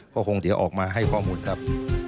ก็คงเดี๋ยวออกมาให้ข้อมูลครับ